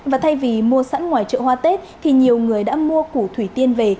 và thay vì mua sẵn ngoài chợ hoa tết thì nhiều người đã mua củ thủy tiên về